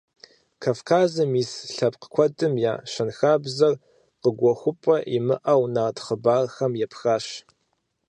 Кавказым ис лъэпкъ куэдым я щэнхабзэр къыгуэхыпӀэ имыӀэу нарт хъыбархэм епхащ.